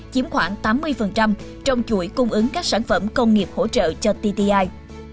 chiếm khoảng tám mươi trong chuỗi cung ứng các sản phẩm công nghiệp hỗ trợ cho tti